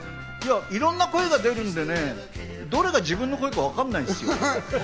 いろんな声が出るんでね、どれが自分の声かわからないんです。